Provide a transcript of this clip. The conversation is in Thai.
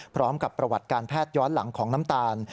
พร้อมกับประวัติการแพทย์ย้อนหลังของน้ำตาล